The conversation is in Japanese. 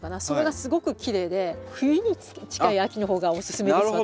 それがすごくきれいで冬に近い秋の方がおすすめです